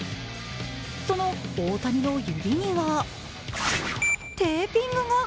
その大谷の指にはテーピングが。